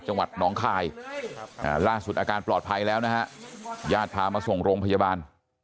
จังหวัดหนองคายล่าสุดอาการปลอดภัยแล้วนะฮะญาติพามาส่งโรงพยาบาล